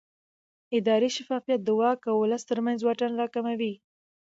اداري شفافیت د واک او ولس ترمنځ واټن راکموي